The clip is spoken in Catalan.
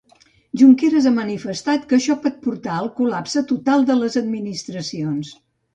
Junqueras ha manifestat que això pot portar al "col·lapse total" de les administracions.